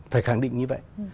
phải khẳng định như vậy